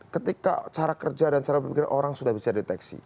ketika cara kerja dan cara berpikir orang sudah bisa deteksi